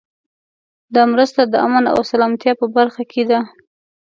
دا مرسته د امن او سلامتیا په برخه کې ده.